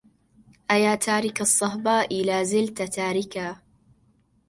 أيا تارك الصهباء لا زلت تاركا